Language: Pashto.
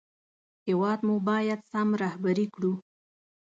هېواد مو باید سم رهبري کړو